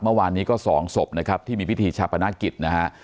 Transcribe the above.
เมื่อวานนี้ก็๒ศพที่มีพิธีชาวประนักกิจนะครับ